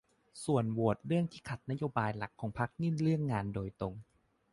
ส่วนโหวตเรื่องที่ขัดนโยบายหลักของพรรคนี่เรื่องงานโดยตรง